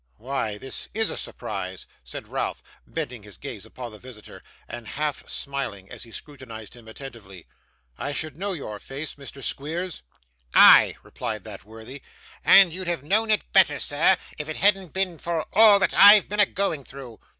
'Why, this IS a surprise!' said Ralph, bending his gaze upon the visitor, and half smiling as he scrutinised him attentively; 'I should know your face, Mr. Squeers.' 'Ah!' replied that worthy, 'and you'd have know'd it better, sir, if it hadn't been for all that I've been a going through.